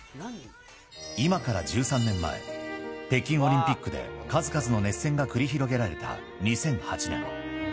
今から１３年前、北京オリンピックで数々の熱戦が繰り広げられた２００８年。